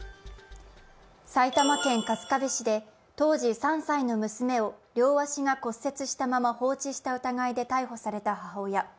埼玉県春日部市で当時３歳の娘を両足が骨折したまま放置した疑いで逮捕された母親。